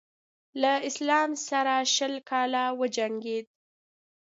له اسلام سره شل کاله وجنګېد.